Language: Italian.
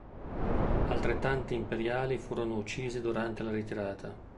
Altrettanti imperiali furono uccisi durante la ritirata.